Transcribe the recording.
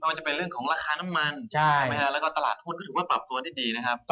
ว่าจะเป็นเรื่องของราคาน้ำมันแล้วก็ตลาดหุ้นก็ถือว่าปรับตัวได้ดีนะครับ